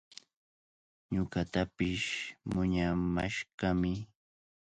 Ñuqatapish muyamashqami.